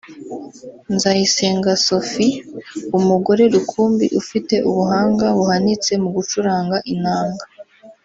Nzayisenga Sophie [umugore rukumbi ufite ubuhanga buhanitse mu gucuranga inanga]